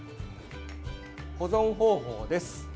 保存方法です。